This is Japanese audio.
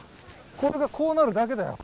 これがこうなるだけだよ。